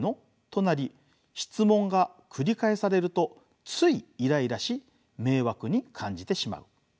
となり質問が繰り返されるとついイライラし迷惑に感じてしまう。